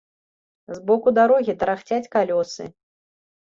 З боку дарогі тарахцяць калёсы.